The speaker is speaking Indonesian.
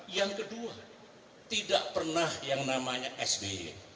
yang kedua tidak pernah yang namanya sby